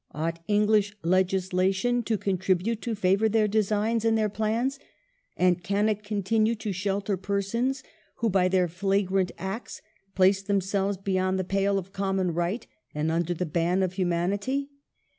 Ought English legislation to contribute to favour their designs and their plans, and can it continue to shelter pereons who by their flagrant acts place themselves beyond the pale of common right and under the ban of humanity